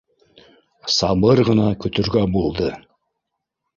Сабыр ғына көтөргә булды